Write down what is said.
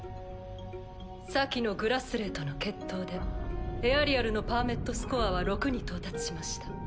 先のグラスレーとの決闘でエアリアルのパーメットスコアは６に到達しました。